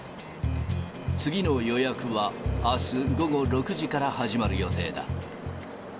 次の予約は、あす午後６時から始まる予定だ。